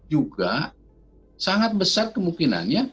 juga sangat besar kemungkinannya